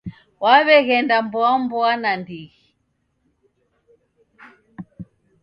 W'aw'eghenda mboa mboa nandighi